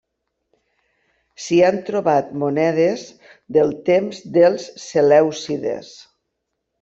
S'hi han trobat monedes del temps dels selèucides.